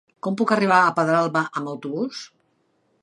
Com puc arribar a Pedralba amb autobús?